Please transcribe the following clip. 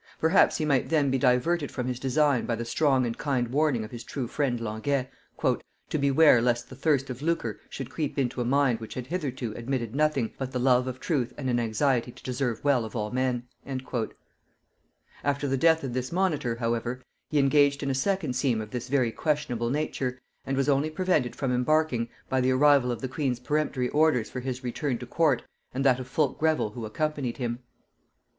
Perhaps he might then be diverted from his design by the strong and kind warning of his true friend Languet, "to beware lest the thirst of lucre should creep into a mind which had hitherto admitted nothing but the love of truth and an anxiety to deserve well of all men." After the death of this monitor, however, he engaged in a second scheme of this very questionable nature, and was only prevented from embarking by the arrival of the queen's peremptory orders for his return to court and that of Fulke Greville who accompanied him.